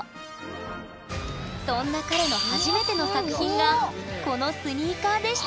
そんな彼の初めての作品がこのスニーカーでした